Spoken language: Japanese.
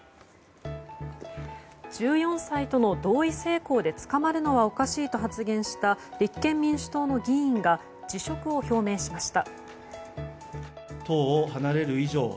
１４歳との同意性交で捕まるのはおかしいと発言した立憲民主党の議員が辞職を表明しました。